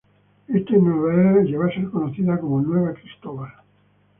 Esta nueva área llegó a ser conocido como "Nueva Cristóbal".